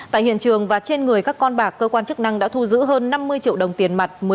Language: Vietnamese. tại hiện trường và trên người các con bạc cơ quan chức năng đã thu giữ hơn năm mươi triệu đồng tiền mặt